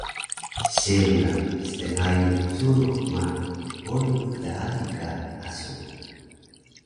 Seung naq stngayun qcurux ma bolung klaali ka asu na